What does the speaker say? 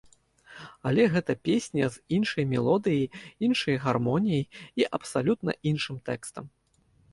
Але гэта песня з іншай мелодыяй, іншай гармоніяй і абсалютна іншым тэкстам.